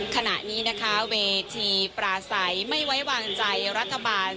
ขณะนี้นะคะเวทีปราศัยไม่ไว้วางใจรัฐบาล